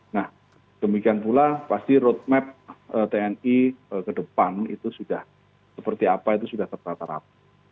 nah demikian pula pasti roadmap tni ke depan itu sudah seperti apa itu sudah tertata rapi